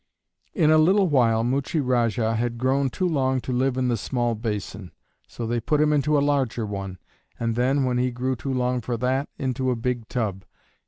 In a little while Muchie Rajah had grown too long to live in the small basin, so they put him into a larger one, and then (when he grew too long for that) into a big tub.